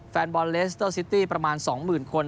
แฟนบอลเรสเตอร์ประมาณ๒หมื่นคน